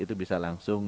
kita lihat di sini